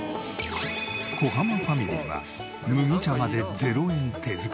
小濱ファミリーは麦茶まで０円手作り。